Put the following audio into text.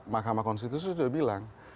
mahkamah konstitusi sudah bilang